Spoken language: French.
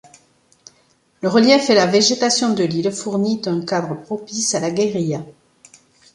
Le relief et la végétation de l'île fournit un cadre propice à la guérilla.